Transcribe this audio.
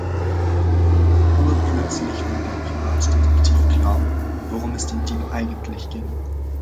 Urplötzlich wurde dem Privatdetektiv klar, worum es dem Dieb eigentlich ging.